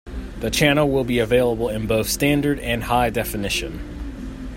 The channel will be available in both standard and high definition.